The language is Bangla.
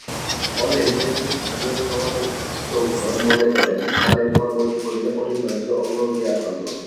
ফলে নেতৃত্বস্থানীয় সমালোচকগণ মনে করেন খানের কর্মজীবনে অনিবার্য অবনতি আসন্ন।